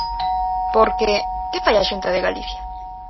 Porque, ¿que fai a Xunta de Galicia?